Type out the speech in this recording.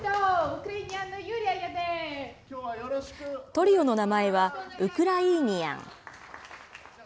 トリオの名前はウクライーニヤン。